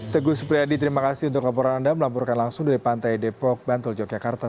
teguh supriyadi terima kasih untuk laporan anda melamburkan langsung dari pantai depok bantul yogyakarta